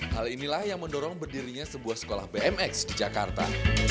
hal inilah yang mendorong berdirinya sebuah sekolah bmx di jakarta